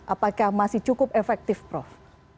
apakah masih cukup efektif prof